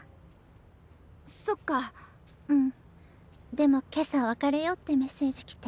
でも今朝「別れよう」ってメッセージ来て。